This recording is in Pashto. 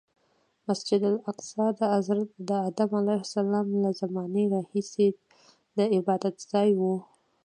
مسجد الاقصی د ادم علیه السلام له زمانې راهیسې د عبادتځای و.